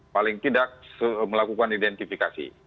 paling tidak melakukan identifikasi